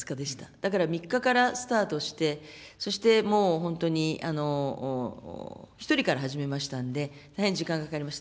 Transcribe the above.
だから３日からスタートして、そしてもう本当に、１人から始めましたんで、大変時間がかかりました。